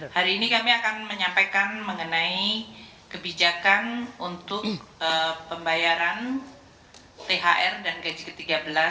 hari ini kami akan menyampaikan mengenai kebijakan untuk pembayaran thr dan gaji ke tiga belas